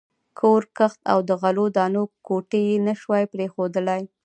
کور، کښت او د غلو دانو کوټې یې نه شوای پرېښودلای.